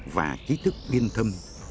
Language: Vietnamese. và trí thức biên thâm